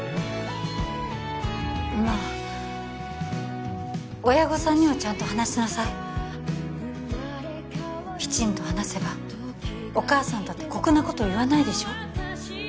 まあ親御さんにはちゃんと話しなさいきちんと話せばお母さんだって酷なこと言わないでしょ